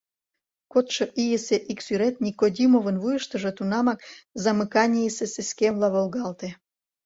Кодшо ийысе ик сӱрет Никодимовын вуйыштыжо тунамак замыканийысе сескемла волгалте.